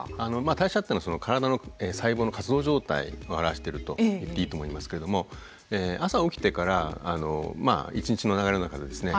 代謝っていうのは体の細胞の活動状態を表してると言っていいと思いますけれども朝起きてから一日の流れの中でですね